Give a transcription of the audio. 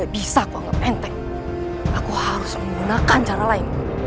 jangan pernah meremehkan kami